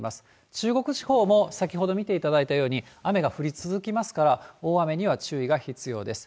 中国地方も先ほど見ていただいたように、雨が降り続きますから、大雨には注意が必要です。